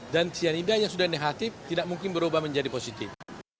dan sianida yang sudah negatif tidak mungkin berubah menjadi positif